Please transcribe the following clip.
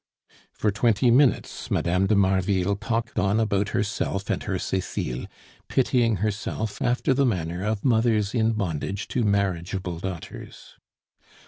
For twenty minutes, Mme. de Marville talked on about herself and her Cecile, pitying herself after the manner of mothers in bondage to marriageable daughters.